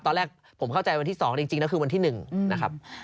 ตอนแรกผมเข้าใจวันที่๒จริงแล้วคือวันที่๑นะครับ